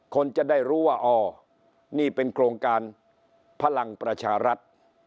คนจะได้รู้ว่าอ๋อนี่เป็นโครงการพลังประชารัฐ